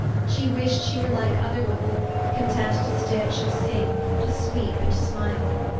She wished she were like other women, content to stitch and sing, to sweep and smile.